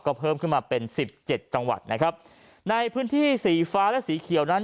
ก็เพิ่มขึ้นมาเป็นสิบเจ็ดจังหวัดนะครับในพื้นที่สีฟ้าและสีเขียวนั้น